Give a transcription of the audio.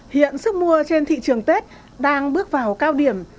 hiện sức mua trên thị trường tết đang bước vào cao điểm